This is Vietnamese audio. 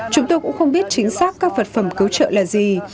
chúng tôi cũng không biết chính xác các vật phẩm cứu trợ là gì